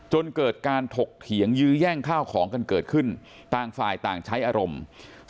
จนเกิดการถกเถียงยื้อแย่งข้าวของกันเกิดขึ้นต่างฝ่ายต่างใช้อารมณ์